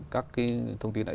các thông tin này